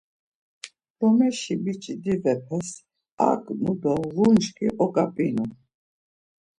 Lomeşi biç̌i divepes aǩnu do ğunçki oǩap̌inu.